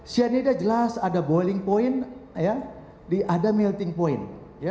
cyanida jelas ada boeing point ada melting point